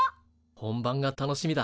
本番が楽しみだ。